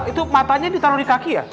itu matanya ditaruh di kaki ya